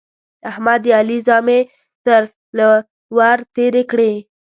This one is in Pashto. احمد د علي زامې تر له ور تېرې کړې.